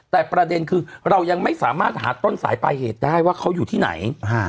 แต่ประเด็นคือเรายังไม่สามารถหาต้นสายปลายเหตุได้ว่าเขาอยู่ที่ไหน